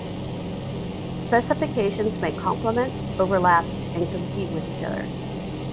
Specifications may complement, overlap, and compete with each other.